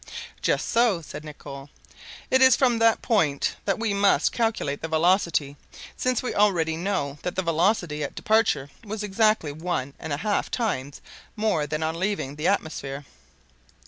"Just so," said Nicholl; "it is from that point that we must calculate the velocity, since we know already that the velocity at departure was exactly one and a half times more than on leaving the atmosphere."